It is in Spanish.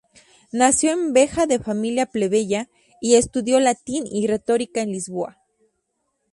Nació en Beja de familia plebeya y estudió latín y retórica en Lisboa.